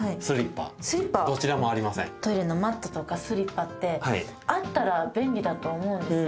トイレのマットとかスリッパってあったら便利だと思うんですよ